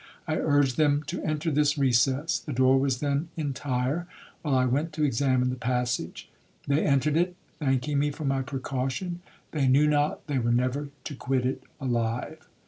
I urged them to enter this recess, (the door was then entire), while I went to examine the passage. They entered it, thanking me for my precaution,—they knew not they were never to quit it alive.